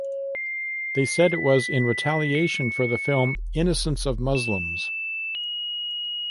They said it was in retaliation for the film "Innocence of Muslims".